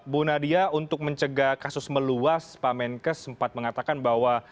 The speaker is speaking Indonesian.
bu nadia untuk mencegah kasus meluas pak menkes sempat mengatakan bahwa